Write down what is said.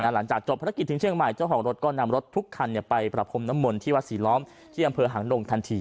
หลังจากจบภารกิจถึงเชียงใหม่เจ้าของรถก็นำรถทุกคันไปประพรมน้ำมนต์ที่วัดศรีล้อมที่อำเภอหางดงทันที